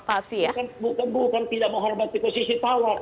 bukan tidak menghargai posisi tawar